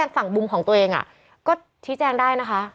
ฝั่งมุมของตัวเองก็ชี้แจงได้นะคะ